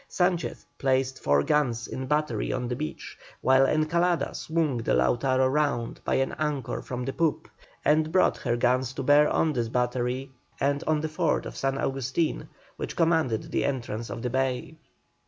Sanchez placed four guns in battery on the beach, while Encalada swung the Lautaro round by an anchor from the poop, and brought her guns to bear on this battery and on the fort of San Agustin, which commanded the entrance of the bay.